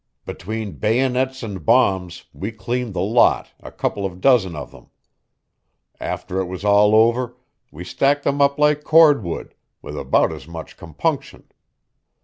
Between bayonets and bombs we cleaned the lot, a couple of dozen of them. After it was all over, we stacked them up like cordwood with about as much compunction.